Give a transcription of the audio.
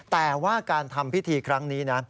แต่ว่าการทำพิธีครั้งนี้นะ